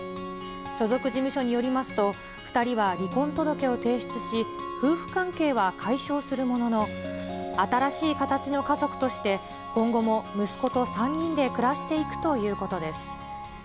所属事務所によりますと、２人は離婚届を提出し、夫婦関係は解消するものの、新しい形の家族として、今後も息子と３人で暮らしていくということです。